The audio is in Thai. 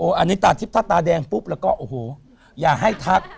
อันนี้ตาทิพย์ถ้าตาแดงปุ๊บแล้วก็โอ้โหอย่าให้ทัก